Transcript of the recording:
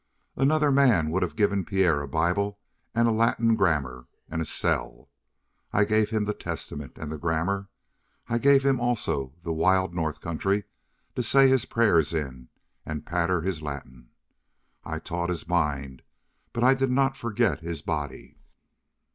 "Another man would have given Pierre a Bible and a Latin grammar and a cell. I gave him the testament and the grammar; I gave him also the wild north country to say his prayers in and patter his Latin. I taught his mind, but I did not forget his body.